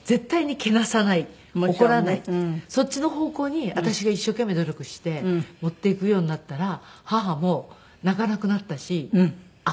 そっちの方向に私が一生懸命努力して持っていくようになったら母も泣かなくなったし明るくなりましたね。